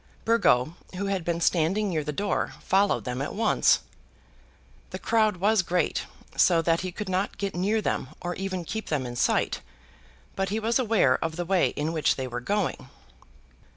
Burgo, who had been standing near the door, followed them at once. The crowd was great, so that he could not get near them or even keep them in sight, but he was aware of the way in which they were going.